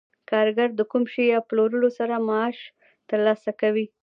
کارګر د کوم شي په پلورلو سره معاش ترلاسه کوي